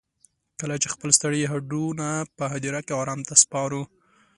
کله چې خپل ستړي هډونه په هديره کې ارام ته سپارو.